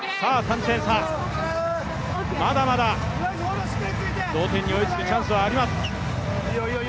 まだまだ同点に追いつくチャンスはあります。